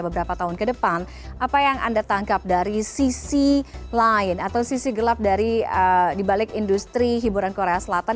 beberapa tahun ke depan apa yang anda tangkap dari sisi lain atau sisi gelap dari dibalik industri hiburan korea selatan